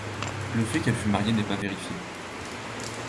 Le fait qu'elle fut mariée n'est pas vérifié.